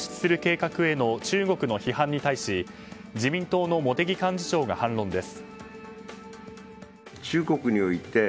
福島第一原発の処理水を海に放出する計画への中国の批判に対し自民党の茂木幹事長が反論です。